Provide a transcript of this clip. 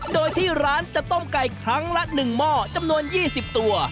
โดยที่ร้านจะต้มไก่ครั้งละ๑หม้อจำนวน๒๐ตัว